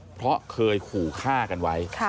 เพราะเคยขู่ฆ่ากันไว้